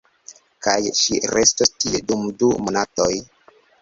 Kaj ŝi restos tie, dum du monatoj.